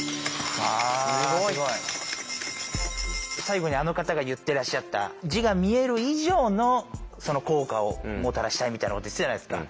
最後にあの方が言ってらっしゃった「字が見える以上の効果をもたらしたい」みたいなこと言ってたじゃないですか。